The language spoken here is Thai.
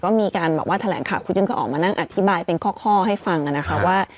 ก็มีการบอกว่าแถลงข่าวคุณยุ่นก็ออกมานั่งอธิบายเป็นข้อให้ฟังนะคะว่า